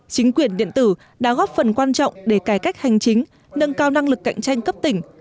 chính quyền điện tử đã góp phần quan trọng để cải cách hành chính nâng cao năng lực cạnh tranh cấp tỉnh